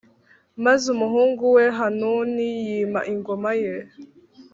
maze umuhungu we Hanuni yima ingoma ye.